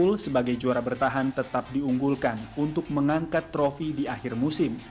ul sebagai juara bertahan tetap diunggulkan untuk mengangkat trofi di akhir musim